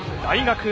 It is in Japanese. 大学